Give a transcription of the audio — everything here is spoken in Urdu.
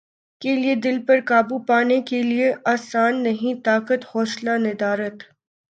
کے لیے دل پر قابو پانے کیلئے آسان نہیں طاقت حوصلہ ندارد